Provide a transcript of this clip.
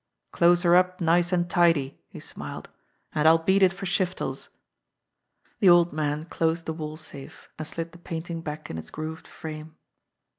"Close her up nice and tidy," he smiled, "and I'll beat it for Shiftel's." The old man closed the wall safe, and slid the painting back in its grooved frame.